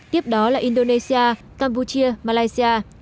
tiếp đó là indonesia campuchia malaysia